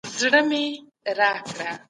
شخړه ډېره کمه ده.